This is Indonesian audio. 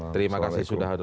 terima kasih sudah hadir